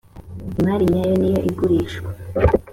imari nyayo niyo igurishwa.